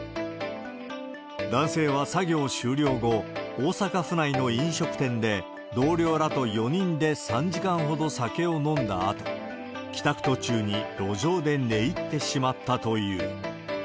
男性は作業終了後、大阪府内の飲食店で、同僚らと４人で３時間ほど酒を飲んだあと、帰宅途中に路上で寝入ってしまったという。